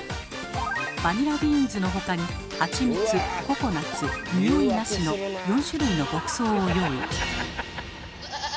バニラビーンズの他に「ハチミツ」「ココナツ」「におい無し」の４種類の牧草を用意。